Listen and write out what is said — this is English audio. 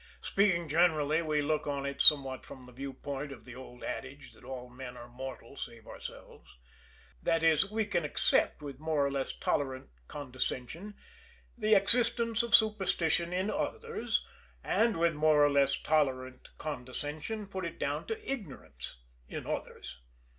Speaking generally, we look on it somewhat from the viewpoint of the old adage that all men are mortal save ourselves; that is, we can accept, with more or less tolerant condescension, the existence of superstition in others, and, with more or less tolerant condescension, put it down to ignorance in others.